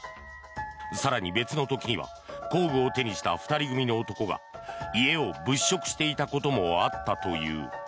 更に、別の時には工具を手にした２人組の男が家を物色していたこともあったという。